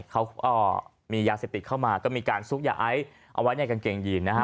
เขาก็มียาเสพติดเข้ามาก็มีการซุกยาไอซ์เอาไว้ในกางเกงยีนนะฮะ